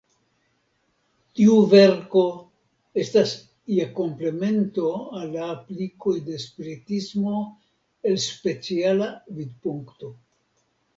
Tiu verko estas ia komplemento al la aplikoj de Spiritismo el speciala vidpunkto.